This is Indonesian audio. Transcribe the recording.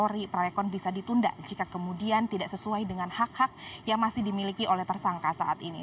polri prarekon bisa ditunda jika kemudian tidak sesuai dengan hak hak yang masih dimiliki oleh tersangka saat ini